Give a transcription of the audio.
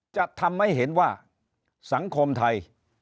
จะทำให้เห็นว่าสังคมไทย